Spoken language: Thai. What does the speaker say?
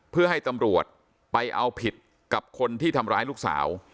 เพื่อให้ตำรวจไปเอาผิดกับคนที่ทำร้ายลูกสาว